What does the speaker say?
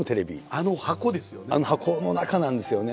あの箱の中なんですよね。